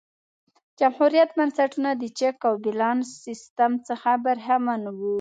جمهوريت بنسټونه د چک او بیلانس سیستم څخه برخمن وو.